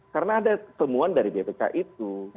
karena ada ketemuan dari bpk itu